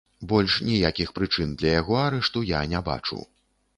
Больш ніякіх прычын для яго арышту я не бачу.